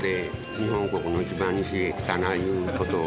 日本国の一番西へ来たないうことを。